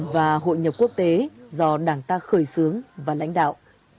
và hội nhập quốc tế do đảng ta khởi xướng và lãnh đạo